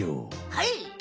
はい！